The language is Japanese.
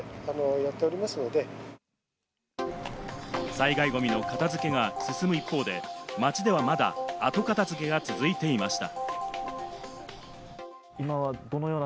災害ゴミの片付けが進む一方で、街ではまだ、後片付けが続いていました。